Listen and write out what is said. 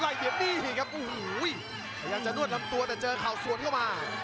ใกล้เกียบนี้ที่ครับโอ้โหอยากจะนวดลำตัวแต่เจอข่าวส่วนเข้ามา